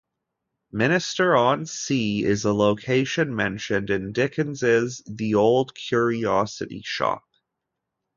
Minster-on-Sea is a location mentioned in Dickens's "The Old Curiosity Shop".